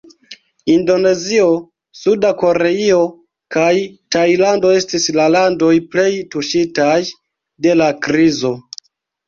Indonezio, Suda Koreio, kaj Tajlando estis la landoj plej tuŝitaj dela krizo.